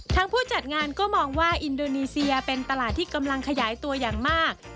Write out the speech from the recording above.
ผู้จัดงานก็มองว่าอินโดนีเซียเป็นตลาดที่กำลังขยายตัวอย่างมาก